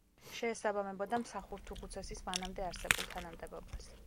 შეესაბამებოდა მსახურთუხუცესის მანამდე არსებულ თანამდებობას.